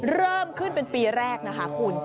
เริ่มขึ้นเป็นปีแรกนะคะคุณ